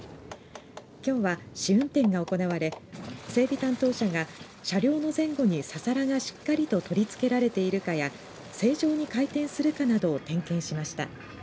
きょうは試運転が行われ整備担当者が車両の前後にササラがしっかりと取り付けられているかや正常に回転するかなどを点検しました。